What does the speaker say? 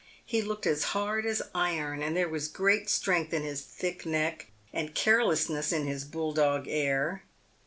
He looked as hard as iron, and there was great strength in his thick neck, and careless ness in his bull dog air.